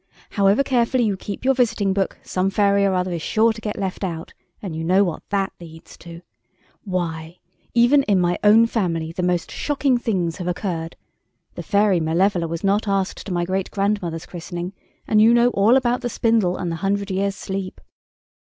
"However carefully you keep your visiting book, some fairy or other is sure to get left out, and you know what that leads to. Why, even in my own family, the most shocking things have occurred. The Fairy Malevola was not asked to my great grandmother's christening—and you know all about the spindle and the hundred years' sleep."